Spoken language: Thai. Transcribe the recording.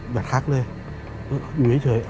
อย่าทักเลยอยู่ให้เฉย